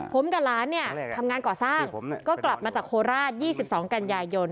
ผมกับหลานเนี้ยทำงานก่อสร้างก็กลับมาจากโคลาสยี่สิบสองกันยายยนต์